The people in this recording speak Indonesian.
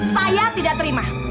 saya tidak terima